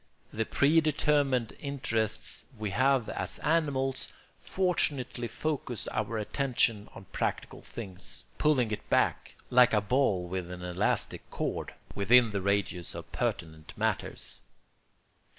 The predetermined interests we have as animals fortunately focus our attention on practical things, pulling it back, like a ball with an elastic cord, within the radius of pertinent matters.